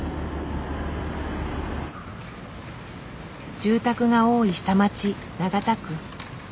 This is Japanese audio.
住宅が多い下町長田区。